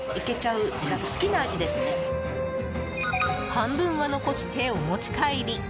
半分は残してお持ち帰り。